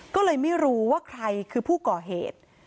ก็เลยไม่รู้ว่าใครคือผู้ก่อเหตุ